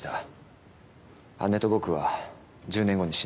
姉と僕は１０年後に死ぬと。